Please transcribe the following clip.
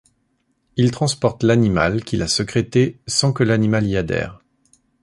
Il transporte l’animal qui l’a sécrété, sans que l’animal y adhère.